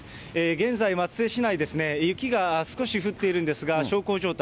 現在、松江市内ですね、雪が少し降っているんですが、小康状態。